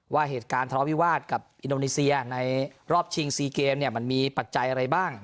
ว่าเหตุการณ์ทะเลาวิวาสกับอินโดนีเซียในรอบชิง๔เกมเนี่ยมันมีปัจจัยอะไรบ้าง